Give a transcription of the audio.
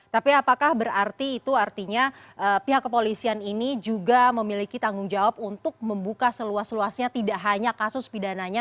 tapi apakah berarti itu artinya pihak kepolisian ini juga memiliki tanggung jawab untuk membuka seluas luasnya tidak hanya kasus pidananya